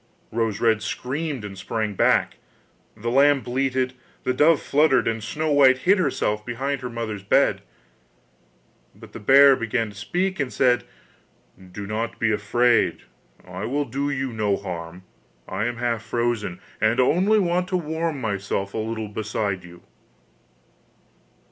Rose red screamed and sprang back, the lamb bleated, the dove fluttered, and Snow white hid herself behind her mother's bed. But the bear began to speak and said: 'Do not be afraid, I will do you no harm! I am half frozen, and only want to warm myself a little beside you.